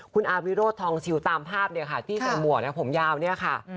คุณอาวิโรททองชิวตามภาพที่สม่วนผมยาวนี่ค่ะ